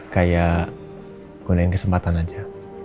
kayak gunain kesempatan aja